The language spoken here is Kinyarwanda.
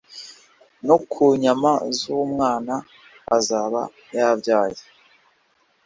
no ku nyama z’umwana azaba yabyaye,